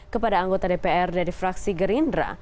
kepada anggota dpr dari fraksi gerindra